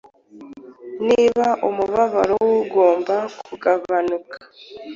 Niba umubabaro wugomba kugabanuka